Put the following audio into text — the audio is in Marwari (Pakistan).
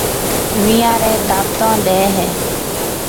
وينيان رَي دعوتون ڏَي ھيََََ